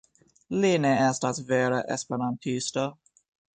Li ne estas vera esperantisto